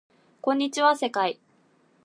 こんにちは世界